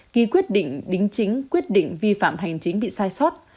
ký quyết định đính chính quyết định vi phạm hành chính bị sai sót